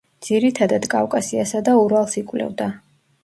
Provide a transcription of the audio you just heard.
ძირითადად კავკასიასა და ურალს იკვლევდა.